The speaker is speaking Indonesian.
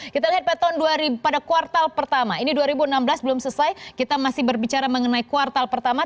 kita lihat pada kuartal pertama ini dua ribu enam belas belum selesai kita masih berbicara mengenai kuartal pertama